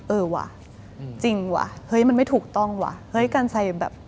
เออว่ะจริงว่ะมันไม่ถูกต้องว่ะ